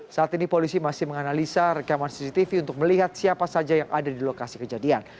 saat ini polisi masih menganalisa rekaman cctv untuk melihat siapa saja yang ada di lokasi kejadian